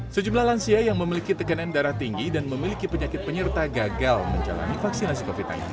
sejumlah lansia yang memiliki tekanan darah tinggi dan memiliki penyakit penyerta gagal menjalani vaksinasi covid sembilan belas